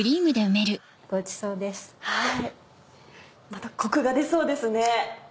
またコクが出そうですね。